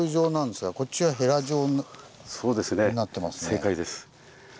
正解です。